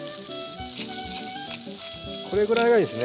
これぐらいがいいですね